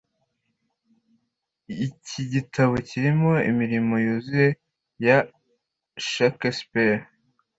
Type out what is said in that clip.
iki gitabo kirimo imirimo yuzuye ya shakespeare